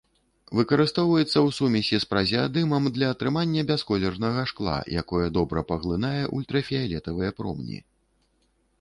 Выкарыстоўваецца ў сумесі з празеадымам для атрымання бясколернага шкла, якое добра паглынае ультрафіялетавыя промні.